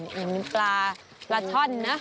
อย่างนี้ปลาปลาช่อนนะ